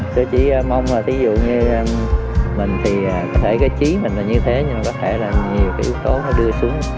tôi chỉ mong là thí dụ như mình thì có thể cái trí mình là như thế nhưng có thể làm nhiều cái yếu tố nó đưa xuống